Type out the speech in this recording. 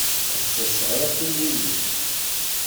Ass-a sɛiɣ timlilit.